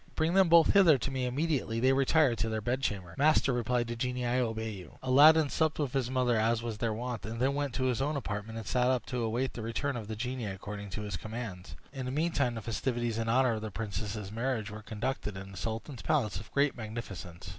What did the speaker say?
Bring them both hither to me immediately they retire to their bedchamber." "Master," replied the genie, "I obey you." Aladdin supped with his mother as was their wont, and then went to his own apartment, and sat up to await the return of the genie, according to his commands. In the meantime, the festivities in honor of the princess's marriage were conducted in the sultan's palace with great magnificence.